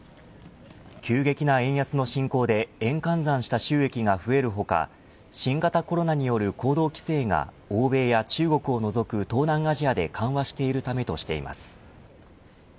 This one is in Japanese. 急激な円安の進行で円換算した収益が増えるほか新型コロナによる行動規制が欧米や中国を除く東南アジアで緩和しているためとしています。